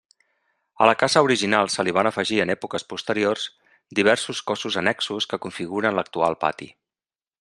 A la casa original se li van afegir en èpoques posteriors diversos cossos annexos que configuren l'actual pati.